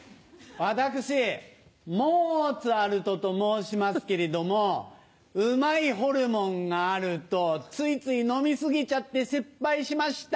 私モーツァルトと申しますけれどもうまいホルモンがあるとついつい飲み過ぎちゃって失敗しました。